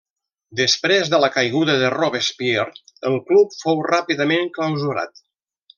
Després de la caiguda de Robespierre, el club fou ràpidament clausurat.